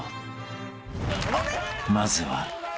［まずは］